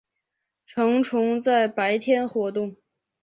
成虫在白天活动。